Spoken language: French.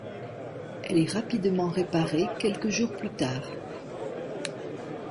Elle est rapidement réparée quelques jours plus tard.